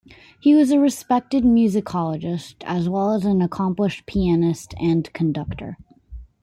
He was a respected musicologist, as well as an accomplished pianist and conductor.